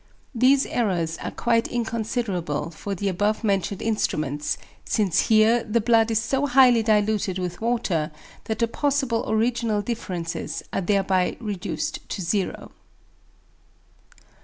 These errors are quite inconsiderable for the above mentioned instruments, since here the blood is so highly diluted with water that the possible original differences are thereby reduced to zero.